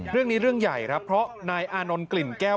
เรื่องนี้เรื่องใหญ่เพราะนายอานนท์กลิ่นแก้ว